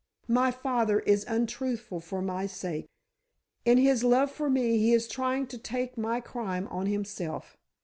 My father is untruthful for my sake. In his love for me he is trying to take my crime on himself.